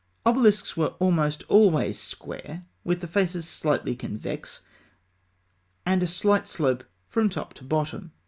] Obelisks were almost always square, with the faces slightly convex, and a slight slope from top to bottom.